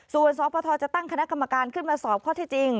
ส่วนสปทจะตั้งคณะกรรมการขึ้นมาสอบข้อที่จริง